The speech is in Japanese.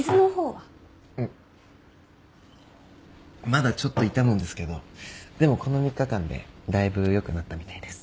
まだちょっと痛むんですけどでもこの３日間でだいぶ良くなったみたいです。